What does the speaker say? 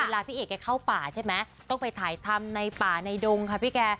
พี่เอกแกเข้าป่าใช่ไหมต้องไปถ่ายทำในป่าในดงค่ะพี่แก